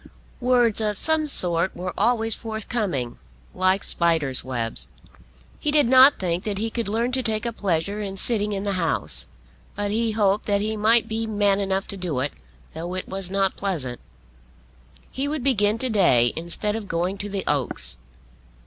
Words of some sort were always forthcoming, like spiders' webs. He did not think that he could learn to take a pleasure in sitting in the House; but he hoped that he might be man enough to do it, though it was not pleasant. He would begin to day, instead of going to the Oaks.